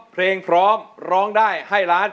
เพลงพร้อมร้องได้ให้ล้าน